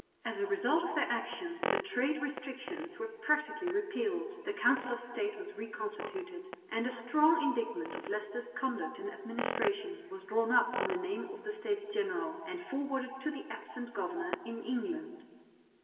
As a result of their action the trade restrictions were practically repealed, the Council of State was reconstituted, and a strong indictment of Leicester's conduct and administration was drawn up in the name of the States General and forwarded to the absent governor in England.